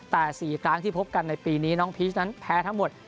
แต่๔ครั้งที่พบกันในปีนี้น้องพีชนั้นแพ้ทั้งหมด